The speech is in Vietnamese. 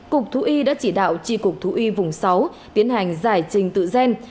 cục thú y đã chỉ đạo tri cục thú y vùng sáu tiến hành giải trình tự gen